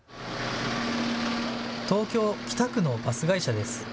東京・北区のバス会社です。